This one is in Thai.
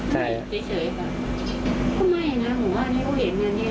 เขาไม่มีลูกพี่เป้อะไรอยู่อยู่ในถุงถามโควิด๙